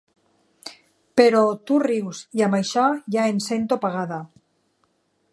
Però tu rius, i amb això ja em sento pagada.